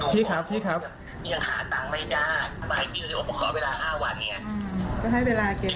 พี่ครับพี่ครับ